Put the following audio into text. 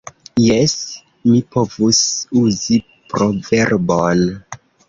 Jes! Mi povus uzi proverbon!